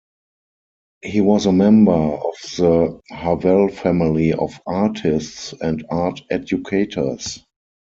He was a member of the Havell family of artists and art educators.